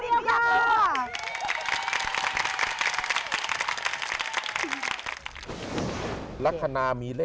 เราจะบอกช่วงหน้าอยากรู้ดีกว่า